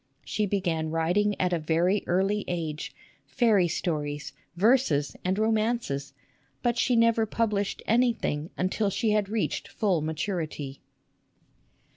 She began writing at a very early age, fairy stories, verses, and romances, but she never SUSAN COOLIDGE ix iblished anything until she had reached full maturity.